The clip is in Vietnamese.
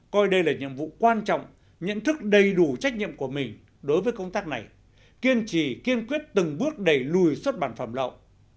coi đây là nhiệm vụ quan trọng nhận thức đầy đủ trách nhiệm của mình đối với công tác này kiên trì kiên quyết từng bước đẩy lùi xuất bản phẩm lậu